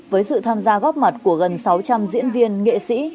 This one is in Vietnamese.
với sự tham gia góp mặt của gần sáu trăm linh diễn viên nghệ sĩ